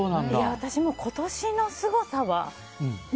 私も今年のすごさは。